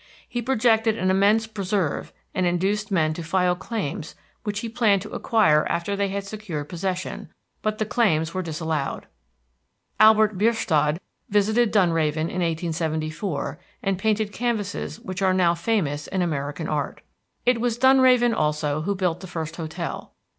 He projected an immense preserve, and induced men to file claims which he planned to acquire after they had secured possession; but the claims were disallowed. Albert Bierstadt visited Dunraven in 1874, and painted canvases which are famous in American art. It was Dunraven, also, who built the first hotel.